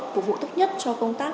phục vụ tốt nhất cho công tác